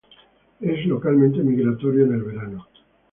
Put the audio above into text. Es localmente migratorio en el verano.